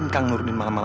kang mau kemana kang